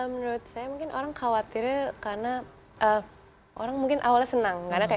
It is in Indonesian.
menurut saya mungkin orang khawatirnya karena orang mungkin awalnya senang karena kayak